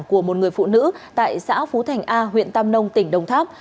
của một người phụ nữ tại xã phú thành a huyện tam nông tỉnh đồng tháp